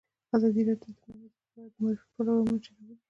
ازادي راډیو د د بیان آزادي په اړه د معارفې پروګرامونه چلولي.